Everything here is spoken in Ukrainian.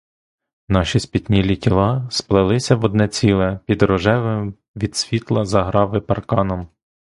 Наші спітнілі тіла сплелися в одне ціле під рожевим від світла заграви парканом.